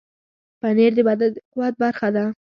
پنېر د بدن د قوت برخه ده.